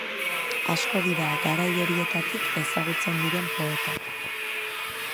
Asko dira garai horietatik ezagutzen diren poetak.